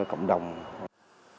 cách phòng chống đặc hiệu nhất